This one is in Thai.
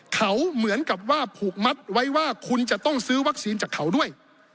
เขาเหมือนกับว่าผูกมัดไว้ว่าคุณจะต้องซื้อวัคซีนจากเขาด้วย